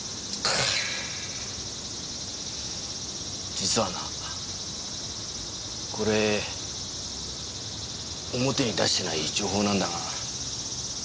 実はなこれ表に出してない情報なんだが。